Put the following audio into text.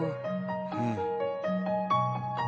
うん。